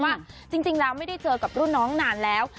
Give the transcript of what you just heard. ว่าจริงแล้วไม่ได้เจอกับรุ่นน้องนานแล้ว